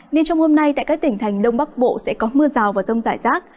nên trong hôm nay tại các tỉnh thành đông bắc bộ sẽ có mưa rào và rông rải rác